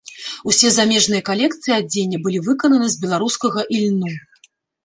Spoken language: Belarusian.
Усе замежныя калекцыі адзення былі выкананы з беларускага ільну.